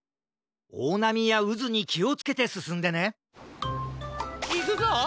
おおなみやうずにきをつけてすすんでねいくぞ！